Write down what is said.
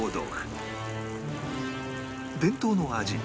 伝統の味